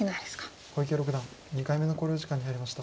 小池六段２回目の考慮時間に入りました。